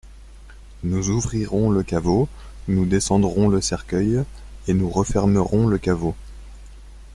Nous ouvrirons le caveau, nous descendrons le cercueil, et nous refermerons le caveau.